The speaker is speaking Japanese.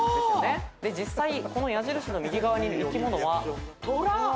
実際この矢印の右側にいる生き物は。